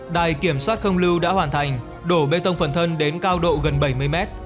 đài kiểm soát không lưu đã hoàn thành đổ bê tông phần thân đến cao độ gần bảy mươi mét